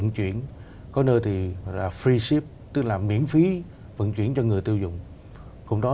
cùng với xu hướng đó